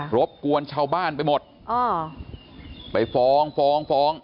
รบกวนชาวบ้านไปหมดไปฟ้องฟ้องฟ้องฟ้อง